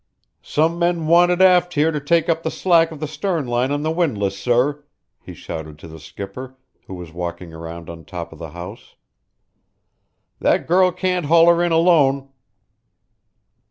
"Some men wanted aft here to take up the slack of the stern line on the windlass, sir," he shouted to the skipper, who was walking around on top of the house. "That girl can't haul her in alone."